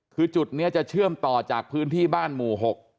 คือจุดนี้จะเชื่อมต่อจากพื้นที่บ้านหมู่๖